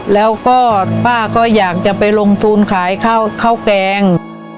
แล้วก็ป้าก็อยากจะไปลงทุนขายข้าวแกง